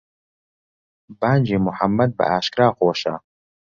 بانگی موحەممەد بەئاشکرا خۆشە.